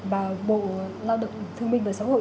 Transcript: và bộ lao động thương minh và xã hội